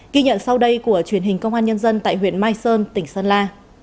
ghi nhận sau đây của truyền hình công an nhân dân tại huyện mai sơn tỉnh sơn la